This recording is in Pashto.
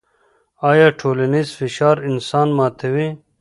آيا ټولنيز فشار انسان ماتوي؟